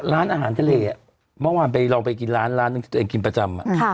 ล้านอาหารทะเรแม้วันเรียกล้องไปกินล้านล้านนึงที่ตัวเองกินประจำ